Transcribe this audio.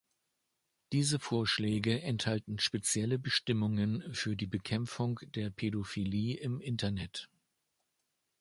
Diese Vorschläge enthalten spezielle Bestimmungen für die Bekämpfung der Pädophilie im Internet.